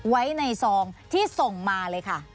ไว้ในซองที่ส่งมาเลยค่ะ